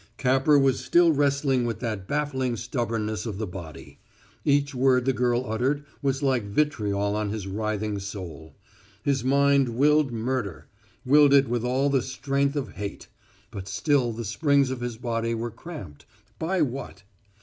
Capper was still wrestling with that baffling stubbornness of the body. Each word the girl uttered was like vitriol on his writhing soul. His mind willed murder willed it with all the strength of hate; but still the springs of his body were cramped by what?